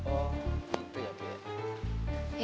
oh gitu ya bu ya